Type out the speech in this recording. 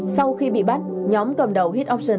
sau khi bị bắt nhóm cầm đầu hit option